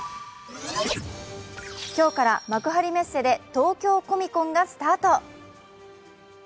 今日から幕張メッセで東京コミコンがスタート。